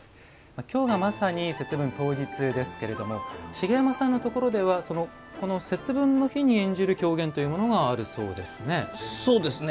今日がまさに節分当日ですけれども茂山さんのところではこの節分の日に演じる狂言というのがあるそうですね。